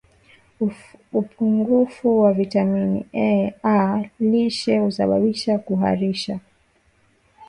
upungufu wa vitamini A lishe husababisha kuharisha